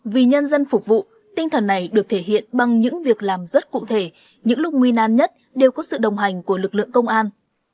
vì nhân dân phục vụ tinh thần này được thể hiện bằng những việc làm rất cụ thể những lúc nguy nan nhất đều có sự đồng hành của lực lượng công an